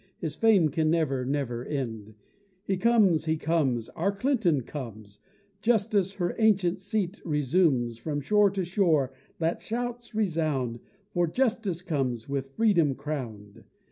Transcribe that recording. His fame can never, never end. He comes! he comes! our Clinton comes! Justice her ancient seat resumes: From shore to shore let shouts resound, For Justice comes, with Freedom crown'd.